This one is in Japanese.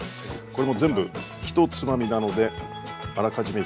これも全部１つまみなのであらかじめ１